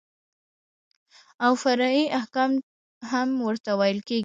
او فرعي احکام هم ورته ويل کېږي.